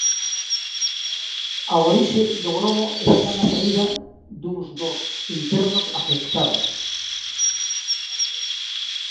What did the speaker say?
A orixe do gromo está na saída dun dos internos afectados.